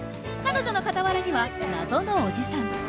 彼女の傍らには謎のおじさん。